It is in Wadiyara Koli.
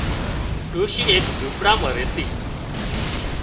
ڏوشي ايڪ زونپڙا مان ريتي